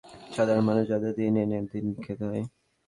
সবচেয়ে বিপদে পড়েছে দেশের সাধারণ মানুষ, যাদের দিন এনে দিনে খেতে হয়।